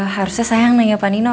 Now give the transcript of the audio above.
harusnya sayang nih ya pak nino